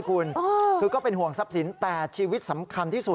คือก็เป็นห่วงทรัพย์สินแต่ชีวิตสำคัญที่สุด